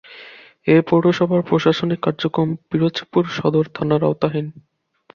এ পৌরসভার প্রশাসনিক কার্যক্রম পিরোজপুর সদর থানার আওতাধীন।